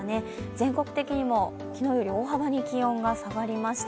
全国的にも昨日より大幅に気温が下がりました。